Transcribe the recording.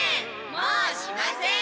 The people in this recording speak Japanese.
もうしません！